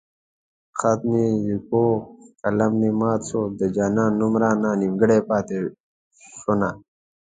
خط مې ليکو قلم مې مات شو د جانان نوم رانه نيمګړی پاتې شونه